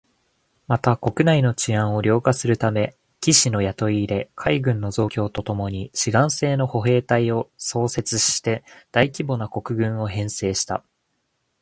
また、国内の治安を良化するため、騎士の雇い入れ、海軍の増強とともに志願制の歩兵隊を創設して大規模な国軍を編成した